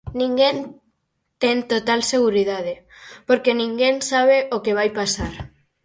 Ninguén ten total seguridade, porque ninguén sabe o que vai pasar.